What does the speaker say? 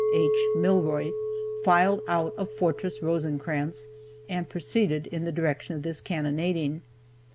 H. Milroy, filed out of Fortress Rosecrans, and proceeded in the direction of this cannonading.